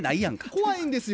怖いんですよ。